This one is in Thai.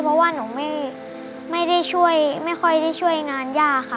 เพราะว่าหนูไม่ได้ช่วยไม่ค่อยได้ช่วยงานย่าค่ะ